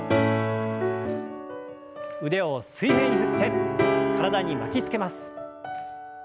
腕を水平に振って体に巻きつけます。